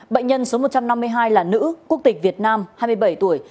bệnh nhân số một trăm năm mươi hai là nữ quốc tịch việt nam hai mươi bảy tuổi